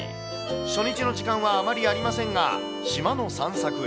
初日の時間はあまりありませんが、島の散策へ。